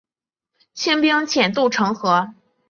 清兵潜渡城河。